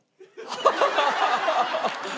ハハハハ！